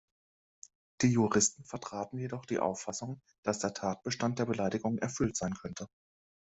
Die Juristen vertraten jedoch die Auffassung, dass der Tatbestand der Beleidigung erfüllt sein könne.